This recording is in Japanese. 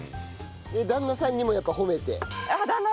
旦那さんにもやっぱ褒めて？